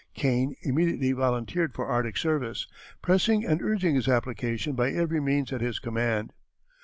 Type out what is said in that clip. Kane immediately volunteered for Arctic service, pressing and urging his application by every means at his command.